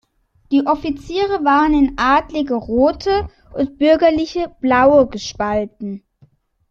Die Offiziere waren in adlige ‚Rote‘ und bürgerliche ‚Blaue‘ gespalten.